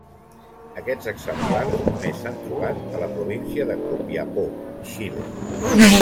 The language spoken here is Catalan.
Aquests exemplars només s'han trobat a la província de Copiapó, Xile.